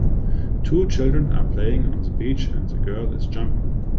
Two children are playing on the beach and the girl is jumping.